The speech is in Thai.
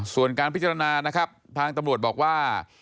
ส่วนการพิจารณานะครับทางตำรวจบอกว่า